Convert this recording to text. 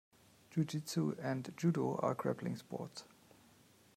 Jujitsu and Judo are grappling sports.